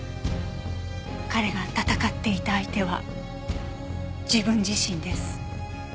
彼が戦っていた相手は自分自身です。